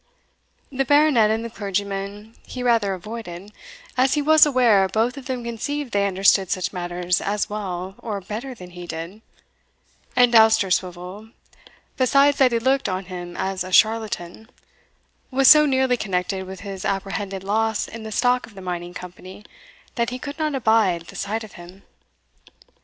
The Baronet and the clergyman he rather avoided, as he was aware both of them conceived they understood such matters as well, or better than he did; and Dousterswivel, besides that he looked on him as a charlatan, was so nearly connected with his apprehended loss in the stock of the mining company, that he could not abide the sight of him.